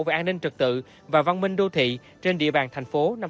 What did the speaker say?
về an ninh trực tự và văn minh đô thị trên địa bàn thành phố năm hai nghìn hai mươi bốn